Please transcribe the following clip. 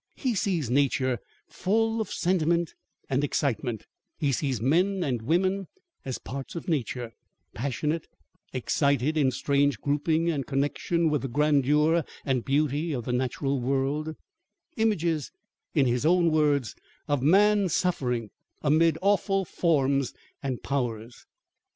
He sees nature full of sentiment and excitement; he sees men and women as parts of nature, passionate, excited, in strange grouping and connexion with the grandeur and beauty of the natural world: images, in his own words, "of man suffering, amid awful forms and powers."